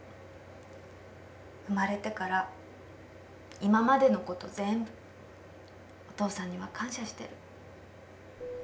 生まれてから今までの事全部お父さんには感謝してる。